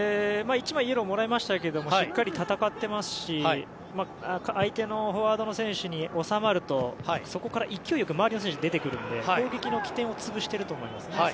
１枚、イエローをもらいましたけれどもしっかり戦っていますし相手フォワードの選手に収まるとそこから勢い良く周りの選手が出てくるので攻撃の起点を潰していると思いますね。